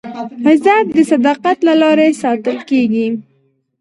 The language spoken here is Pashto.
عزت د صداقت له لارې ساتل کېږي.